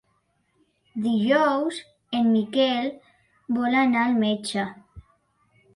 Dijous en Miquel vol anar al metge.